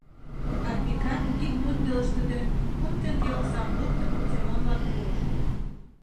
Арпикат, ик мут пелештыде, кум теҥге оксам луктын, Семонлан пуыш.